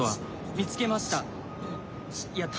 見つけました。